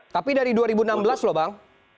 tapi dari dua ribu enam belas loh bang